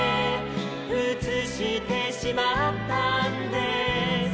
「うつしてしまったんですルル」